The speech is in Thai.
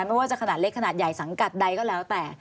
ไม่ว่าจะขนาดเล็กขนาดใหญ่สังกัดใดก็แล้วแต่